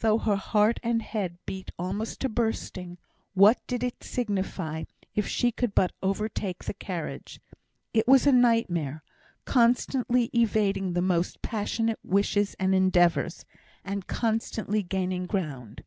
Though her heart and head beat almost to bursting, what did it signify if she could but overtake the carriage? It was a nightmare, constantly evading the most passionate wishes and endeavours, and constantly gaining ground.